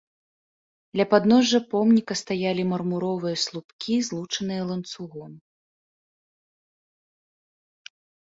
Ля падножжа помніка стаялі мармуровыя слупкі, злучаныя ланцугом.